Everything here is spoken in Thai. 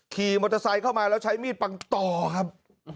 ขี่มอเตอร์ไซค์เข้ามาแล้วใช้มีดปังต่อครับ